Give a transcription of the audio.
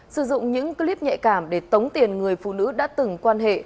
sử dụng những clip nhạy cảm để tống tiền người phụ nữ đã từng quan hệ